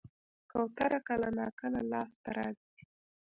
کوتره کله ناکله لاس ته راځي.